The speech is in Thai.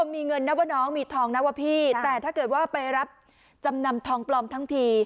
มีเงินนะว่าน้องมีทองนะว่าพี่แต่ถ้าเกิดว่าไปรับจำนำทองปลอมทั้งที